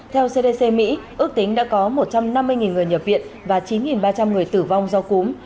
theo cdc mỹ ước tính đã có một trăm năm mươi người nhập viện và chín ba trăm linh người tử vong do cúm